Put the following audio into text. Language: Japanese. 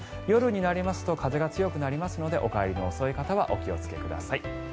夜になりますと風が強くなりますのでお帰りの遅い方はお気をつけください。